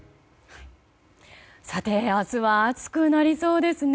さて明日は暑くなりそうですね。